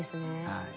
はい。